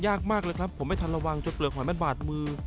ยากมากเลยครับผมไม่ทันระวังจนเปลือกหอยมันบาดมือ